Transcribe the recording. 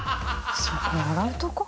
そこ笑うとこ？